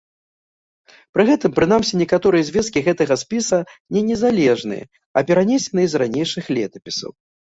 Пры гэтым прынамсі некаторыя звесткі гэтага спіса не незалежныя, а перанесеныя з ранейшых летапісаў.